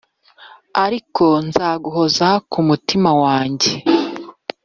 Ariko nzaguhoza kumutima wajye